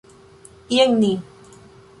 Jen ni!